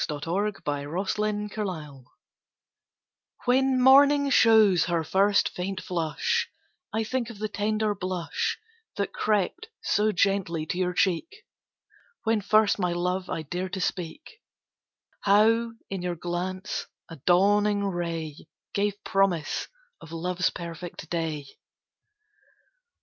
MORNING, NOON AND NIGHT When morning shows her first faint flush, I think of the tender blush That crept so gently to your cheek When first my love I dared to speak; How, in your glance, a dawning ray Gave promise of love's perfect day.